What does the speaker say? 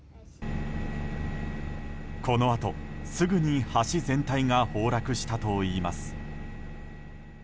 このあと、すぐに橋全体が崩落したといいます。